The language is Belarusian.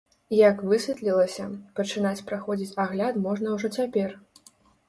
Як высветлілася, пачынаць праходзіць агляд можна ўжо цяпер.